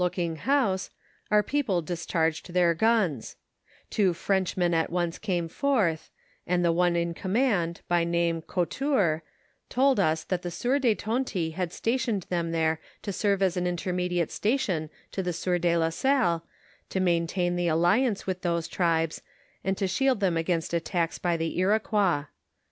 looking house, our people discharged their guns ; two French men at once came forth, and the one in command, by name Couture, told us that the sieur de Tonty had stationed them tlicre to serve as an intermediate station to the sieur de la Salle, to maintain the alliance with those tribes, and to shield them against attacks by the Iroquois.